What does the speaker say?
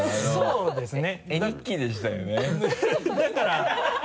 そうですか？